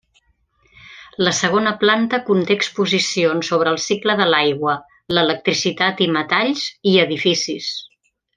La segona planta conté exposicions sobre el cicle de l'aigua, l'electricitat i metalls i edificis.